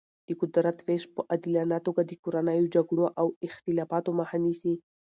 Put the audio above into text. د قدرت ویش په عادلانه توګه د کورنیو جګړو او اختلافاتو مخه نیسي.